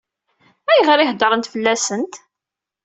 Ayɣer i heddṛent fell-asent?